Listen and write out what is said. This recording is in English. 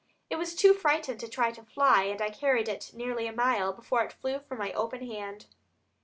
It was too frightened to try to fly and I carried it nearly a mile before it flew from my open hand."